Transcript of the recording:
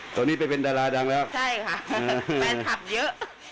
ตอนนี้ไปเป็นดาราดังแล้วใช่ค่ะแฟนคลับเยอะ